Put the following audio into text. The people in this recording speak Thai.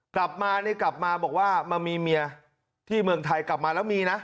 กลับมาเนี่ยกลับมาบอกว่ามามีเมียที่เมืองไทยกลับมาแล้วมีนะ